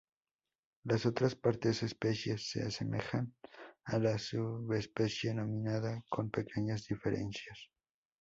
Las otras tres especies se asemejan a la subespecie nominada con pequeñas diferencias.